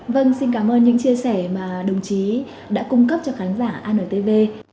vâng xin cảm ơn những chia sẻ mà đồng chí đã cung cấp cho khán giả hà nội tv